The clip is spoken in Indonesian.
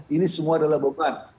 ini semua adalah beban